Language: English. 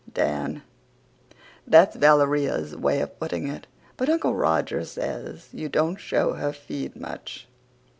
(DAN: "That's Valeria's way of putting it, but Uncle Roger says she don't show her feed much."